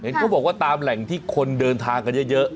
เขาบอกว่าตามแหล่งที่คนเดินทางกันเยอะ